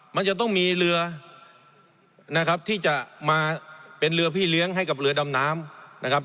มันจะต้องมีเรือนะครับที่จะมาเป็นเรือพี่เลี้ยงให้กับเรือดำน้ำนะครับ